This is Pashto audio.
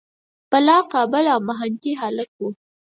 بلا قابل او محنتي هلک و.